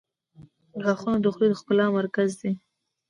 • غاښونه د خولې د ښکلا مرکز دي.